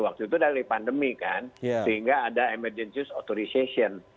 waktu itu dari pandemi kan sehingga ada emergency authorization